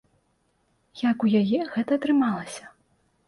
Як у яе гэта атрымалася?